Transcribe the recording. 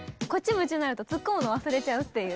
夢中になるとツッコむの忘れちゃうっていう。